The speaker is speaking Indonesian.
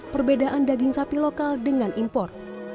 perbedaan daging sapi lokal dengan impor